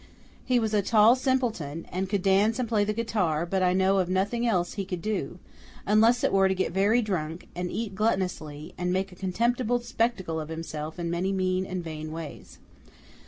He was a tall simpleton; and could dance and play the guitar; but I know of nothing else he could do, unless it were to get very drunk, and eat gluttonously, and make a contemptible spectacle of himself in many mean and vain ways.